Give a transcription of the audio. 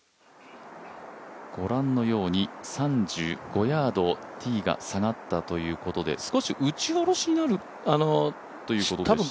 ご覧のように３５ヤード、ティーが下がったということで少し打ち下ろしになるということでしょうか？